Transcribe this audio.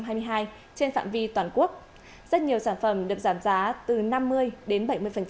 trên phạm vi toàn quốc rất nhiều sản phẩm được giảm giá từ năm mươi đến bảy mươi